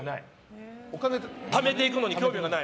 ためていくのに興味がない。